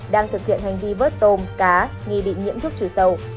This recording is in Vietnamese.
đang thực hiện hành vi vớt tôm cá nghi bị nhiễm thuốc trừ sâu